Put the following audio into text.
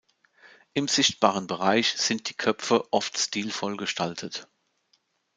Im sichtbaren Bereich sind die Köpfe oft stilvoll gestaltet.